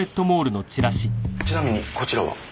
ちなみにこちらは？